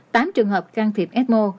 tám trường hợp can thiệp f một